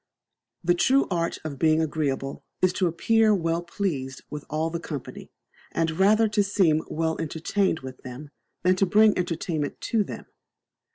The true art of being agreeble is to appear well pleased with all the company, and rather to seem well entertained with them than to bring entertainment to them.